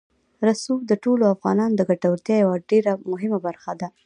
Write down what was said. رسوب د ټولو افغانانو د ګټورتیا یوه ډېره مهمه برخه ده.